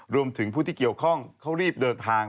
รวมถึงผู้ที่เกี่ยวข้องเขารีบเดินทาง